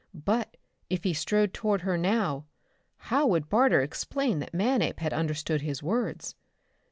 But, if he strode toward her now, how would Barter explain that Manape had understood his words?